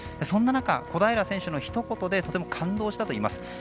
そんな中、小平選手のひと言でとても感動したといいます。